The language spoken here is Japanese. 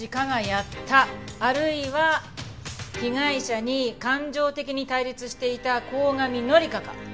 あるいは被害者に感情的に対立していた鴻上紀香か。